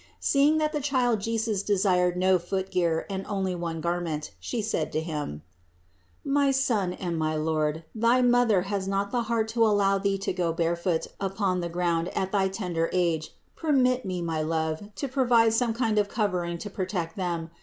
Seeing that the Child Jesus desired no footgear and only one garment, She said to Him: "My Son and my Lord, thy Mother has not the heart to allow Thee to go barefoot upon the ground at thy tender age; permit me, my Love, to pro vide some kind of covering to protect them.